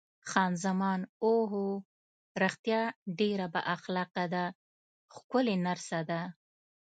خان زمان: اوه هو، رښتیا ډېره با اخلاقه ده، ښکلې نرسه ده.